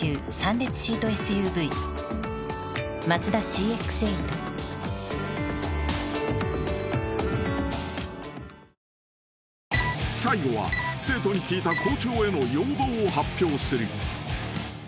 至れり尽くせり［最後は生徒に聞いた校長への要望を発表する］